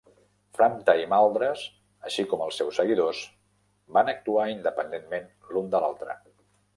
Framta i Maldras, així com els seus seguidors, van actuar independentment l'un de l'altre.